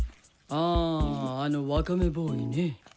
ああのワカメボーイね。